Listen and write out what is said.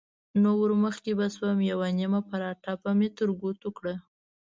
نو ورمخکې به شوم، یوه نیمه پراټه به مې تر ګوتو کړه.